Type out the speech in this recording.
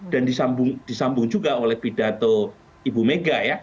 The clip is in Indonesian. dan disambung juga oleh pidato ibu mega ya